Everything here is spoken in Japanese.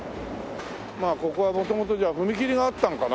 まあここは元々じゃあ踏切があったのかな？